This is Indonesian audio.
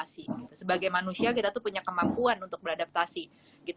sebagai manusia kita tuh punya kemampuan untuk beradaptasi